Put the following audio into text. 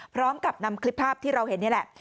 พร้อมกับนำคลิปภาพที่เราเห็นนี่แหละ